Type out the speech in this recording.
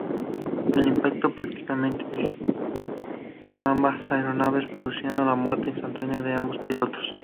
El impacto prácticamente desintegró ambas aeronaves, produciendo la muerte instantáneamente a ambos pilotos.